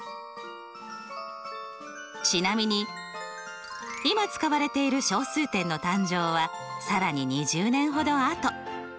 ちなみに今使われている小数点の誕生は更に２０年ほどあと。